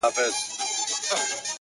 ارمانه اوس درنه ښكلا وړي څوك ـ